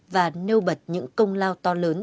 và nêu bật những công lao to lớn